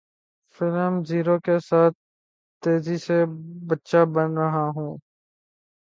film zero کے ساتھ تیزی سے بچہ بن رہا ہوں